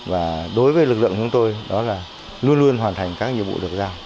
và đối với lực lượng chúng tôi đó là luôn luôn hoàn thành các nhiệm vụ được giao